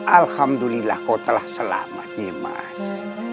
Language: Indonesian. alhamdulillah kau telah selamat nimas